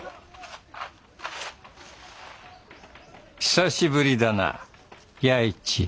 久しぶりだな弥一。